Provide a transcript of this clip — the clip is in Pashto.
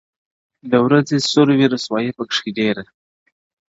د ورځي سور وي رسوایي وي پکښې,